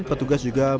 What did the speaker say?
petugas juga berpikir